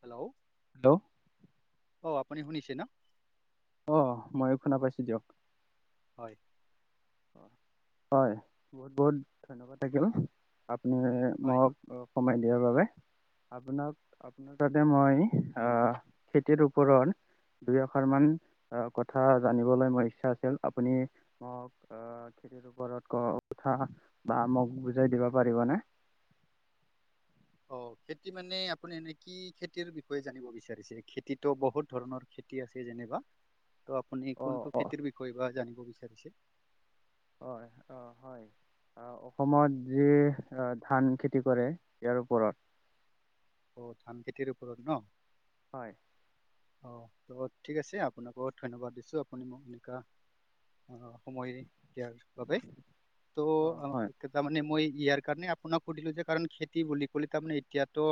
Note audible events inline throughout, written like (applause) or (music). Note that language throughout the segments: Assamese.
হেল্ল হেল্ল অহ আপুনি শুনিছে ন। অহ ময়ো শুনা পাইছো দিয়ক। হয়। হয় বহুত বহুত ধন্যবাদ থাকিল। আপ পুনি হয় মক সময় দিয়াৰ বাবে। (unintelligible) আপোনাক আপোনাৰ তাতে মই অহ খেতিৰ ওপৰত দুই এষাৰ মান অহ কথা জানিবলৈ মোৰ ইচ্ছা আছিল আপুনি মোক অহ খেতিৰ ওপৰত কও উঠা বা মোক বুজাই দিব পাৰিবনে? চেয়হ। (unintelligible) অহ খেতি মানে আপুনি এনে কি খেতিৰ বিষয়ে জানিব বিচাৰিছে? খেতিতো বহুত ধৰণৰ খেতি খেতি আছে যেনেবা তো আপুনি অ কোনটো অ খেতিৰ বিষয়ে বা জানিব বিছাৰিছে? হয় অঁহ। হয় অসমত যি ধান খেতি কৰে ইয়াৰ ওপৰত। (unintelligible) অহ ধান খেতিৰ ওপৰত ন। হয়। অহ টো ঠিক আছে আপোনাক বহুত ধন্যবাদ দিছোঁ আপুনি মোক এনেকা অহ সময় দিয়াৰ বাবে তো অ অহ হয় এতিয়া মানে মই ইয়াৰ কাৰণে আপোনাক সুধিলো যে, কাৰণ খেতি বুলি ক'লে তামানে এতিয়াতো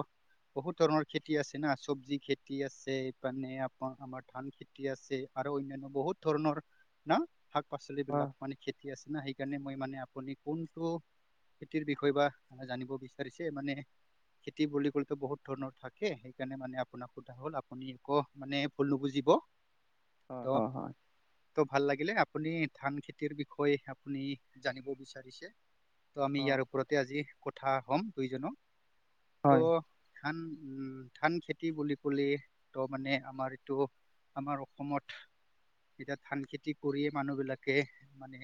বহুত ধৰণৰ খেতি আছে না চব্জি খেতি আছে মানে এইপিনে আমাৰ ধান খেতি আছে। আৰু অনান্য বহুত ধৰণৰ না শাক পাচলি অ বিলাক মানে খেতি উঠি আছে না সেইকাৰণে মই মানে আপুনি কোনটো খেতিৰ বিষয়ে বা জানিব বিচাৰিছে মানে খেতি বুলি কলে টো বহুত ধৰণৰ থাকে সেইকাৰণে মানে আপোনাক সোধা হ'ল আপুনি ক মানে ভুল নুবুজিব। হয় হয় হয় তটো ভাল লাগিলে আপুনি ধান খেতিৰ বিষয়ে আপুনি জানিব বিচাৰিছে ত' আমি হয় ইয়াৰ ওপৰতে আজি কথা হ'ম দুইজনৰ হয় ত' ধান উ ধান খেতি বুলি কলে ত মানে আমাৰ এইটো আমাৰ অসমত এতিয়া ধান খেতি কৰিয়ে মানুহ বিলাকে মানে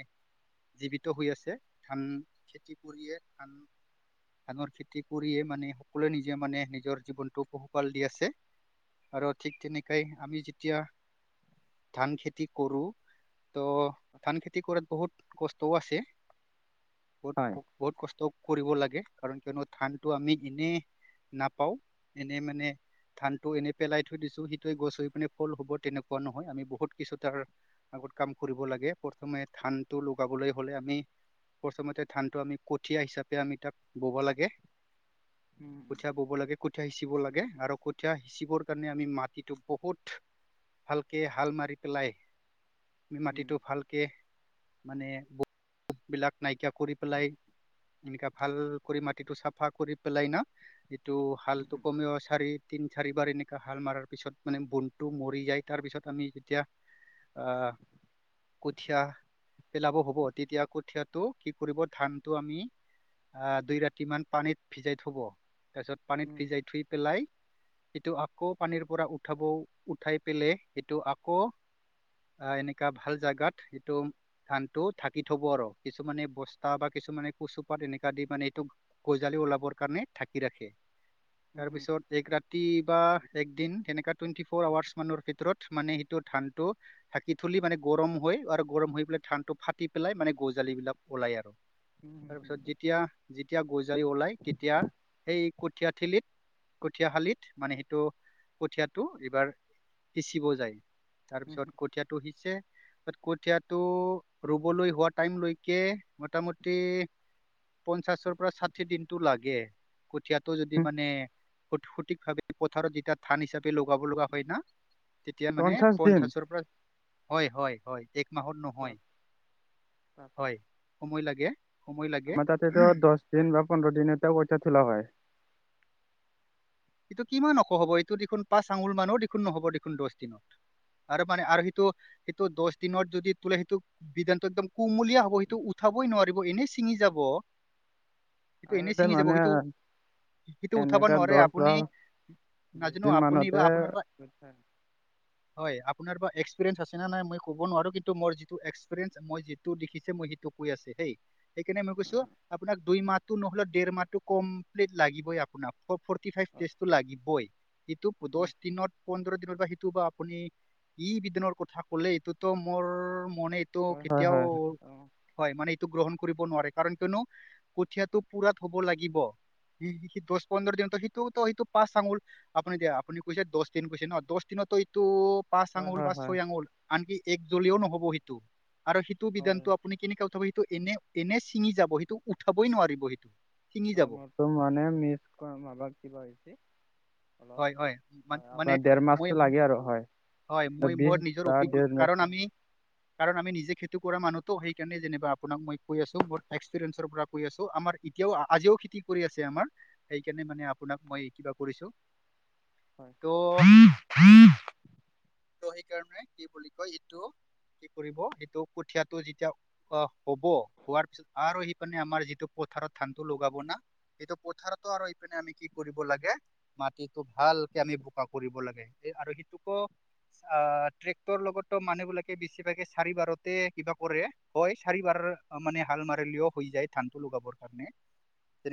জীৱিত হৈ আছে ধান খেতি কৰিয়ে ধান ধানৰ খেতি কৰিয়ে মানে সকলোৱে নিজে মানে নিজৰ জীৱনটোক পোহ পাল দি আছে আৰু ঠিক তেনেকাই আমি যেতিয়া ধান খেতি কৰো তো' ধান খেতি কৰাত বহুত কষ্টও আছে বহুত হয়। বহুত কষ্ট কৰিব লাগে কাৰণ কিয়নো ধানতো আমি এনেই নাপাওঁ এনেই মানে ধান টো এনেই পেলাই থৈ দিছো সিটোৱে গছ হৈ পিনে ফল হব তেনেকুৱা নহয় আমি বহুত কিছু তাৰ বহুত কাম কৰিব লাগে প্ৰথমে ধান টো লগাবলৈ হ'লে আমি প্ৰথমতে ধানটো আমি কঠীয়া হিচাপে আমি তাক বব লাগে কঠীয়া বব লাগে কঠীয়া সিঁচিব লাগে আৰু কঠীয়া সিঁচিবৰ কাৰণে আমি মাটিটো বহুত ভালকে হাল মাৰি পেলাই মাটিটো ভালকে মানে ব বিলাক নাইকিয়া কৰি পেলাই এনেকা ভাল কৰি মাটিটো চাফা কৰি পেলাই না এইটো হাল টো কমেও চাৰি তিন চাৰিবাৰ এনেককা হাল মৰাৰ পিছত মানে বনটো মৰি যায় তাৰপিছত আমি যেতিয়া অহ কঠীয়া পেলাব হ'ব তেতিয়া কঠীয়াটো কি কৰিব ধানটো আমি অহ দুই ৰাতি মান পানীত ভিজাই থব তাৰ পিছত পানীত ভিজাই থুই পেলাই হিতো আকৌ পানীৰ পৰা উঠাব উঠাই পেলাই সেইটো আকৌ আ এনকা ভাল জাগাত এইটো ধানতটো থাকি থব আৰু কিছুমানে বস্তা বা কিছু মানে কচুপাত এনেকা দি মানে এইটো গজালি ওলাবৰ কাৰণে ধাকি ৰাখে তাৰপিছত এক ৰাতি বা একদিন তেনেকা টুৱেন্টি ফৌৰ হাউৰ্চ মানৰ ভিতৰত মানে সেইটো ধান টো ঢাকি থুলি মানে গৰম হৈ আৰু গৰম হৈ পেলাই ধান টো ফাটি পেলাই মানে গজালি বিলাক ওলাই আৰু তাৰপিছত যেতিয়া যেতিয়া গজালি ওলাই তেতিয়া সেই কঠীয়া ঠেলিত কঠিয়া শালিত মানে সেইটো কঠিয়টো এইবাৰ সিঁচিব যায় তাৰপিছত কঠিয়টো সিঁচে তাত কঠিয়টো ৰুবলৈ হোৱা টাইম লকে মোটামুটি পঞ্চাশৰ পৰা ষাঠি দিনতটো লাগে কঠিয়াতটো যদি মানে স সঠিকভাৱে পথাৰত যেতিয়া থান হিচাপে লগাব লগা হয় না তেতিয়া মানে পঞ্চাশ দিন পঞ্চাছৰ পৰা হয় হয় হয় এক মাহত বাপ- নহয় হয় সময় লাগে সময় লাগে আমাৰ তাতেতো দহ দিন বা পোন্ধৰ দিনতে কঠীয়া তোলা হয়। এইটো কিমান অস হ'ব এইটো দেখোন পাঁচ আঙুল মানুহো দেখোন নহ'ব দেখোন দহ দিনত আৰু মানে আৰু সেইটো সেইটো দহ দনৰত যদি তোলে সেইটো বিধানটো একদম কুমলীয়া হ'ব সেইটো উঠাব ৰুবই নোৱাৰিব এনেই ছিঙি যাব (inaudible) সেইটো এনে তাতে ছিঙি যাব মানে সেইটো সেইটো উঠাব এনেকা নোৱাৰে দহ বা আপুনি বিশ নাজানো দিন আপুনি মানতে বা আপোনাৰ বা কঠীয়া- হয় আপোনাৰ এক্সপিৰেন্স আছে নাই মই ক'ব নোৱাৰো কিন্তু মই যিটো এক্সপিৰিয়ঞ্চ মই যিটো মই সটো কৈ আছো। সেই সেইকাৰণে মই কৈছো আপোনাক দুই মাহটো নহলেও ডেৰ মাহটো কমপ্লিট লাগিবই আপোনাক (unintelligible) বা অ- অ- সেইটো বা আপুনি ই বিদনৰ কথা কলে এইটোতো মোৰ মানে এইটো হয় হয় কেতিয়াও হয় অ' হয় মানে। গ্ৰহণ কৰিব নোৱাৰে কাৰণ কিয়নো কঠিয়টো পুৰাত হ'ব লাগিব। স স দহ পন্ধৰ দিনটো সি টো তো সেইটো পাচ আঙুল আপুনি দিয়া আপুনি কৈছে দছ দিন কৈছে ন দছ দিনতো এইটো পাঁচ হয় আঙুল হয় বা হয় ছয় আঙুল আনকি এক জ্বলও নহব সেইটো। আৰু সেইটো হয় বিধানটো আপুনি কেনেকে উঠাব সেইটো এনে এনে ছিঙি যাব সেইটো উঠাবই নোৱাৰিব সেইটো ছিঙি ত যাব ম তো মানে মিচত কিবা হৈছে অলপ হয় হয় হয় মানে আপোনাৰ দেৰ মই মাহটো লাগে আৰু হয় হয় মই বিশ মোৰ নিজৰ বা অভিজ্ঞ দেৰ মাহ কাৰণ আমি কাৰণ আমি নিজে খেতি কৰা মানুহতো সেইকাৰণে যেনা আপোনাক মই কৈ আছো মোৰ এক্সপিৰিয়েঞ্চৰ পৰা কৈ আছো আমাৰ এতিয়াও আজিও খেতি কৰি আছে আমাৰ সেইকাৰণে মানে আপোনাক মই কিবা কৰিছো। ত' (unintelligible) ত সেইকাৰণে কি বুলি কয় এইটো কি কৰিব সেইটো কঠিয়টো যেতিয়া আহ হব হোৱাৰ পিছত আৰু সি মানে আমাৰ যিটো পথাৰত ধানটো লগাব না সটো পথাৰতো আৰু এইপিনে আমি কি কৰিব লাগে মাটিতটো ভালকে আমি বোকা কৰিব লাগে এ আৰু সিটোকো অ ট্ৰেক্টৰ লগতো মানুহ বিলাকে বেছিভাগে চাৰিবাৰতে কিবা কৰে হয় চাৰিবাৰ মানে হাল মাৰেলিও হৈ যায় ধানটো লগাবৰ কাৰণে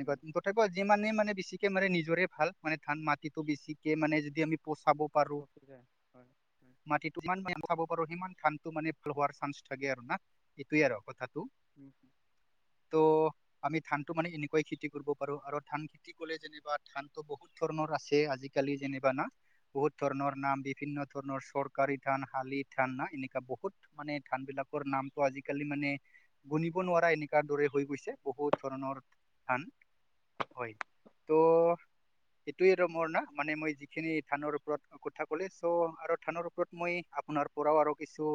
উম, তথাপিও যি মমানে মানেছিকে মানে নিজৰে ভাল মানে ধান মাটিতটো বেছিকে মানে যদি আমি পচাব পাৰো পকি যায় হয় হয়। মাটিটো মান খাব সিমান ধানটো মানে ভাল হোৱাৰ চান্স থাকে আৰু না এইটোয়ে আৰু কথা ত আমি ধানটো মানে এনেকুৱাই খেতি কৰিব পাৰো আৰু ধান খেতি কৰিলে যেনিবা ধান ত বহুত ধৰণৰ আছে আজিকালি যেনিবা না। বহুত ধৰণৰ নাম বিভিন্ন ধৰণৰ চৰকাৰী ধান শালি ধান ন এনেকুৱা বহুত মানে ধান বিলাক নামটো আজিকালি মানে গুণিব নোৱাৰা এনেকুৱা দৰে হৈ গৈছে বহুত ধৰণৰ ধান হয় তো (unintelligible) এইটোয়ে ৰ মোৰ না মানে মই যিখিনি থানৰ ওপৰত কথা ক'লে চ' আৰু থানৰ ওপৰত মই আপোনাৰ তাৰ পৰাও আৰু কিছু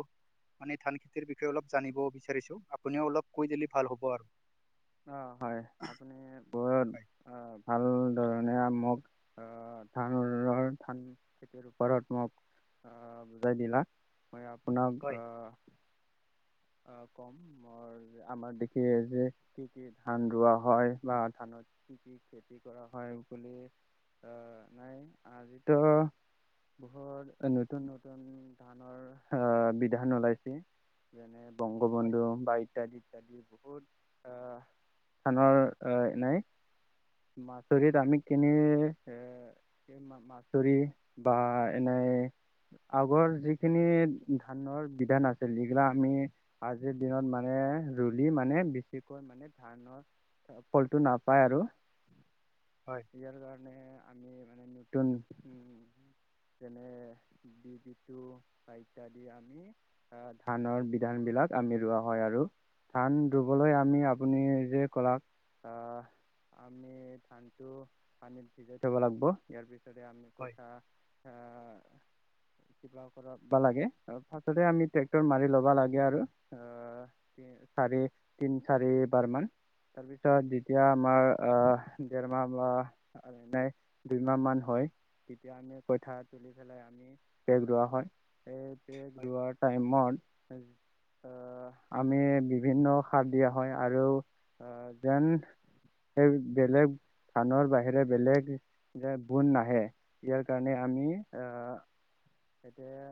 মানে ধান খেতিৰ বিষয়ে অলপ জানিব বিচাৰিছো, আপুনিও অলপ কৈ দিলি ভাল হ'ব আৰু। অ হয় আপুনি বত হয় আহ ভাল ধৰণে মোক আহ ধানৰ ধান খেতিৰ ওপৰত মোক বুজাই দিলা। মই আপোনাক হয় আহ (inaudible) আহ কম ম আমাৰ দেখি যে কি কি ধান ৰুৱা হয় বা ধানত কি কি খেতি কৰা হয় বুলি (inaudible) অ নাই আজিতো বহুত নতুন নতুন ধানৰ আহ বিধান ওলাইছে যেনে হয় বংগবন্ধু বা ইত্যাদি ইত্যাদি বহুত ধানৰ নাই মাচৰিত আমি কেনে এ এই মাছৰি বা এনেই আগৰ যিখিনি ধানৰ বিধান আছিল যিগিলা আমি আজিৰ দিনত মানে ৰুলি মানে বেছিকৈ মানে ধানৰ ফলটো নাপায় আৰু। হয় ইয়াৰ কাৰণে আমি মানে নতুন উম যেনে বি বি বা ইত্যাদি আমি আহ ধানৰ বিধান বিলাক আমি ৰোৱা হয় আৰু, ধান ৰুবলৈ আমি আপুনি যে কলক আহ আমি ধানটো পানীত ভিজাই থব লাগিব ইয়াৰ পিছত আমি হয় কথা আহ কিবা কৰা লাগে ফাৰতে আমি ট্ৰেক্টৰ মাৰি ল'বা লাগে আৰু অ। চাৰে তিনি চাৰে বাৰমান। তাৰপিছত যেতিয়া আমাৰ আহ দেৰমাহ বা এ দুইমাহ মান হয়। তেতিয়া আমি কইঠা তুলি পেলাই আমি পেক ৰোৱা হয়। এই পে হয় ৰোৱাৰ টাইমত আহ আমি বিভিন্ন। সাৰ দিয়া হয় আৰু আহ যেন সেই বেলেগ ধানৰ বাহিৰে বেলেগ যে বুন নাহে ইয়াৰ কাৰণে আমি আহ। এতিয়া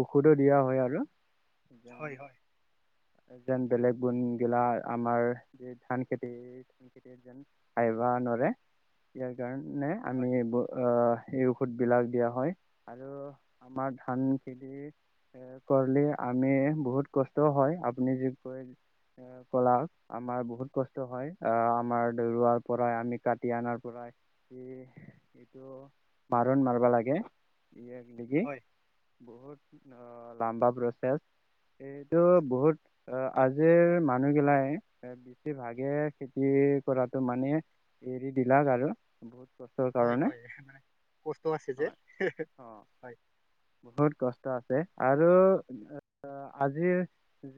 ঔষধো দিয়া হয় আৰু। হয় হয় যেন বেলেগ গুন গিলা আমাৰ যে ধান খেতি ধান খেতি যেন আহ (unintelligible) বা নোৱাৰে ইয়াৰ কাৰণে আমি ব আহ সুট বিলাক দিয়া হয় আৰু আমাৰ ধান খেতি। এ কৰিলে আমি বহুত কষ্টও হয় আ পুনি যে কৈ কলা আমাৰ বহুত কষ্ট হয় আহ আমাৰ ৰুৱাৰ পৰা। আমি কাটি আনাৰ পৰা ই এইটো মাৰণ মাৰিবা লাগে। ই হয় বহুত (unintelligible) অ লাম্বা প্ৰচেছ, এইটো বহুত অ আজিৰ মানুহগিলাই বেছিভাগে খেতি কৰাতটো মানে এৰি দিলাক আৰু বহুত কষ্টৰ হয় কাৰণে হয় মানে কষ্ট আছে যে হয় অ হয়। বহুত কষ্ট আছে আৰু আজিৰ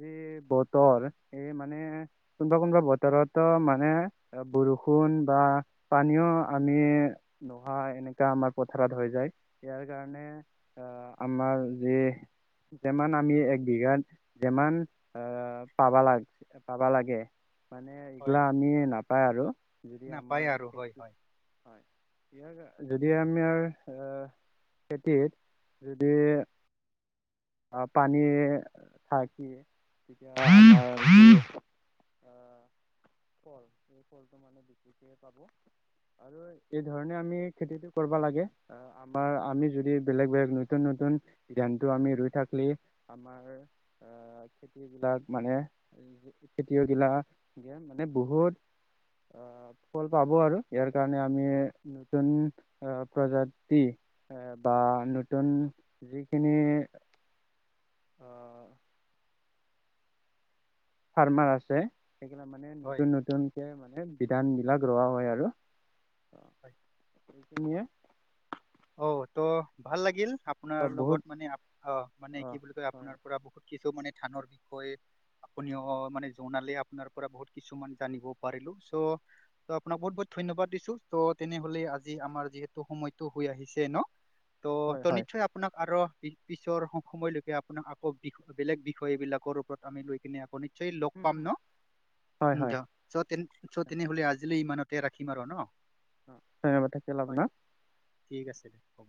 যি বতৰ এই মানে কোনোবা কোনবা বতৰতো মানে বৰষুণ বা পানীও আমি নোহোৱা এনেকা আমাৰ পথাৰত হৈ যায় ইয়াৰ কাৰণে। আ আমাৰ যি যেমান আমি এক বিঘাত যেমান আ পাবা লাগ পাবা লাগে। মানে হয় এইগিলা আমি নাপায় আৰু যদি নাপায় আমাৰ আৰু হয় খেতি। হয় হয় ইয়াৰ কা। যদি আমি এ খেতিত যদি। আ পানী থাকি তেতিয়া। আ ফল এই ফলটো মানে বেছিকে পাব। আৰু এই ধৰণে আমি খেতিটো কৰিব লাগে আমাৰ আমি যদি বেলেগ বেলেগ নতুন নতুন। তুন যেনটো আমি ৰৰুই থাকিলি আমাৰ আ খেতি বিলাক মানে। খেতিয় গিলা যে মানে বহুত। আ ফল পাব আৰু ইয়াৰ কাৰণে আমি নতুন আ প্ৰজাতি। এ বা নতুন যিখিনি। অ। ফাৰ্মাৰ আছে সেইগিলা মানে হয় নতুন নতুনকে মানে। জ্ঞান বিলাক ৰোৱা হয় আৰু। হয়। টোমিয়ে। অ ত' ভাল লাগিল আপোনাৰ লগত বহুত মানে অ মানে কি বুলি কয় হয় আপোনাৰ পৰা বহুত। কিছু মানে ধানৰ বিষয়ে। আপুনি অ মানে জনালে আপোনাৰ পৰা বহুত কিছুমান জানিব পাৰিলো চ' ত' আপোনাক বহুত বহুত। ধন্যবাদ দিছো ত' তেনেহলে আজি আমাৰ যিহেতু সময়তটো। হৈ আহিছে ন ত' হয় ত' নিশ্চয় আপোনাক আৰু। পিছৰ সময়লৈকে আপোনাক আকৌ বি বেলেগ বিষয় বিলাকৰ ওপৰত আমি লৈ কিনে আকৌ নি। ছয় লগ পাম হয় হয় ন হয় চ তে চ তেনেহলে আজিলৈ ইমানতে ৰাখিম আৰু ন। অ ধন্যবাদ থাকিল হয় আপোনাৰ। ঠিক আছে দে হ'ব।